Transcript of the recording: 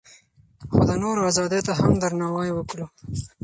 خو د نورو ازادۍ ته هم درناوی وکړو.